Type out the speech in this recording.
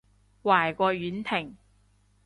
壞過婉婷